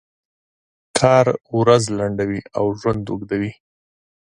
کار ورځ لنډوي او ژوند اوږدوي.